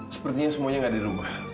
sepertinya semuanya gak ada di rumah